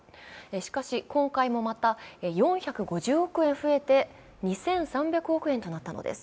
しかし、今回もまた４５０億円増えて２３００億円となったのです。